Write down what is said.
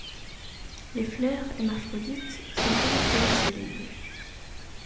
Les fleurs, hermaphrodites, sont toujours pédicellées.